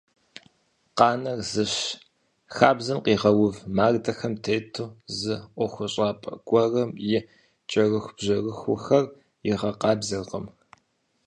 Къанэр зыщ - хабзэм къигъэув мардэхэм тету зы ӀуэхущӀапӀэ гуэрым и кӀэрыхубжьэрыхухэр игъэкъабзэркъым!